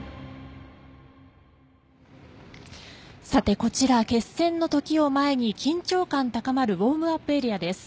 こちら決戦の時を前に緊張感高まるウォームアップエリアです。